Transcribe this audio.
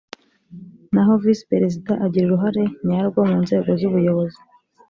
naho visi perezida agira uruhare nyarwo mu nzego z’ubuyobozi